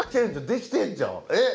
できてんじゃん！